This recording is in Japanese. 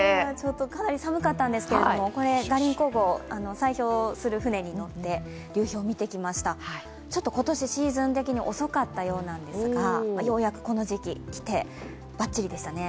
かなり寒かったんですけれども、ガリンコ号砕氷する船に乗って流氷を見てきました、今年シーズン的に遅かったようなんですが、ようやくこの時期、バッチリでしたね。